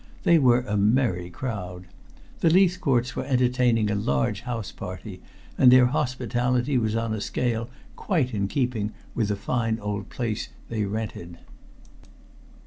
They were a merry crowd. The Leithcourts were entertaining a large house party, and their hospitality was on a scale quite in keeping with the fine old place they rented.